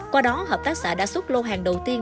qua đó hợp tác xã đã xuất lô hàng đầu tiên